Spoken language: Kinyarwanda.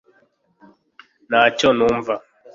Ntacyo numva